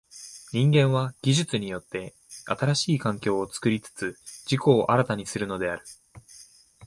人間は技術によって新しい環境を作りつつ自己を新たにするのである。